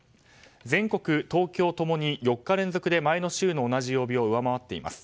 全国、東京共に４日連続で前の週の同じ曜日を上回っています。